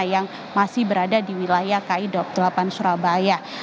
yang masih berada di wilayah kidok delapan surabaya